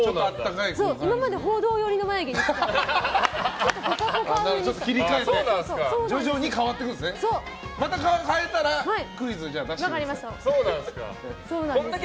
今まで報道寄りの眉毛にしてたんですけど。